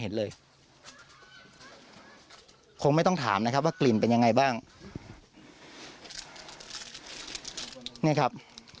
เนี่ยครับ